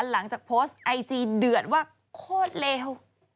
หลังจากโพสต์ไอจีเดือดว่าโคตรเลว